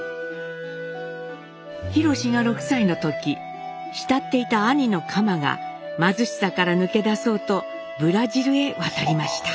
廣が６歳の時慕っていた兄の蒲が貧しさから抜け出そうとブラジルへ渡りました。